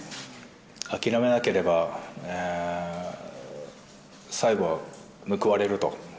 諦めなければ、最後は報われると。